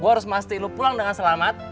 gua harus masti lu pulang dengan selamat